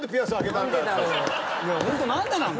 ホント何でなの？